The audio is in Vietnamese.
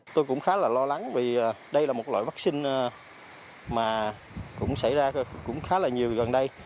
tôi cũng khá là lo lắng vì đây là một loại vaccine mà cũng xảy ra cũng khá là nhiều gần đây